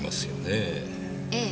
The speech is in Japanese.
ええ。